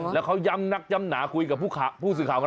แล้วยัมนักยัมหนาคุยกับผู้ศึกข่าว